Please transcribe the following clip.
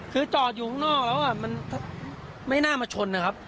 คือจอดอยู่ข้างนอกแล้วมันไม่น่ามาชนนะครับ